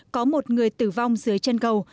có một người tử vong dưới trên cầu